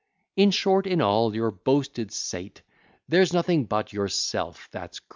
In short, in all your boasted seat, There's nothing but yourself that's GREAT.